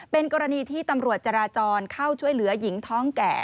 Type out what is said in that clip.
เป็นกรณีที่ตำรวจจราจรเข้าช่วยเหลือหญิงท้องแก่